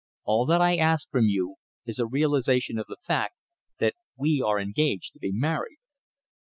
All that I ask from you is a realization of the fact that we are engaged to be married."